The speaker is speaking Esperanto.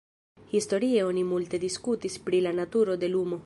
Historie oni multe diskutis pri la naturo de lumo.